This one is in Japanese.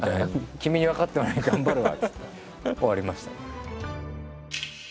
「君に分かってもらえるように頑張るわ」っつって終わりましたね。